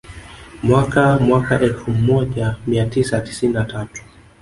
Mwaka mwaka elfu moja mia tisa tisini na tatu